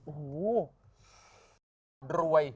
โอ้โหรวย